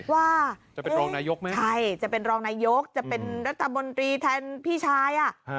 ว่าเอ๊ะใช่จะเป็นรองนายกจะเป็นรัฐมนตรีแทนพี่ชาย